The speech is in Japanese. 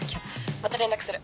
また連絡する。